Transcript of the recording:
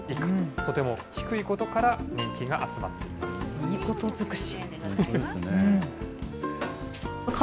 とても低いことから、人気が集まいいことずくし。